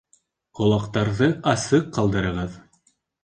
Ҡолаҡтарҙы асыҡ ҡалдырығыҙ